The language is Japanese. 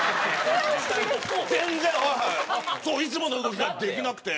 全然いつもの動きができなくて。